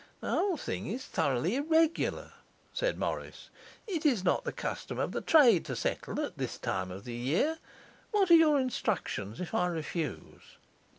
'The whole thing is thoroughly irregular,' said Morris. 'It is not the custom of the trade to settle at this time of the year. What are your instructions if I refuse?